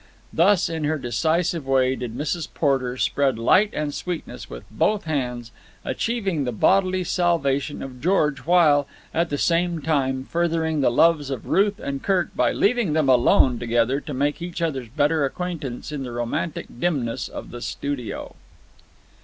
Thus, in her decisive way, did Mrs. Porter spread light and sweetness with both hands, achieving the bodily salvation of George while, at the same time, furthering the loves of Ruth and Kirk by leaving them alone together to make each other's better acquaintance in the romantic dimness of the studio.